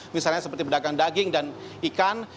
misalnya seperti pedagang daging dan ikan